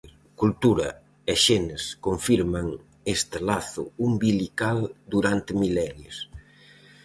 Cultura e xenes confirman este lazo umbilical durante milenios.